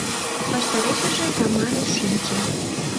Ваштарешыже Тамара шинче.